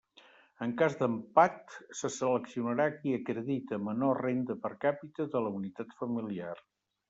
En cas d'empat, se seleccionarà qui acredite menor renda per capita de la unitat familiar.